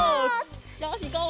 よしいこう！